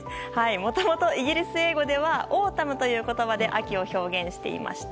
もともとイギリス英語ではオータムという言葉で秋を表現していました。